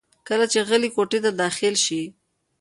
کله چې علي کوټې ته داخل شي،